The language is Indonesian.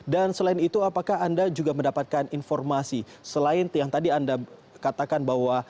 dan selain itu apakah anda juga mendapatkan informasi selain yang tadi anda katakan bahwa